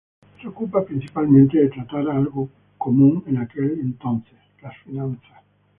Se ocupa principalmente de tratar algo común en aquel entonces, las finanzas.